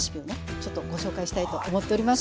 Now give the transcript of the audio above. ちょっとご紹介したいと思っております。